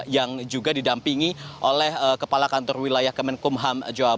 yang juga didampingi oleh kepala kantor wilayah kemenkumham jawa barat indro purwong